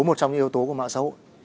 một trong những yếu tố của mạng xấu